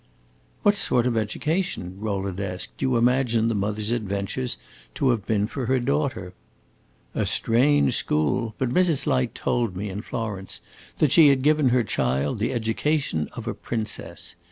"What sort of education," Rowland asked, "do you imagine the mother's adventures to have been for the daughter?" "A strange school! But Mrs. Light told me, in Florence, that she had given her child the education of a princess.